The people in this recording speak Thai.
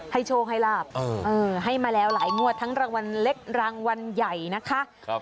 โชคให้ลาบให้มาแล้วหลายงวดทั้งรางวัลเล็กรางวัลใหญ่นะคะ